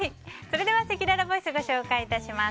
では、せきららボイスご紹介します。